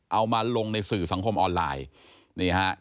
เอามาลงในสื่อสังคมออนไลน์นี่ฮะ